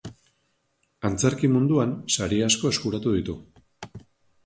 Antzerki munduan sari asko eskuratu ditu.